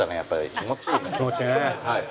気持ちいいね。